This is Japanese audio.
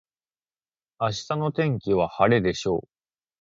明日の天気は晴れでしょう。